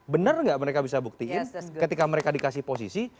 benar nggak mereka bisa buktiin ketika mereka dikasih posisi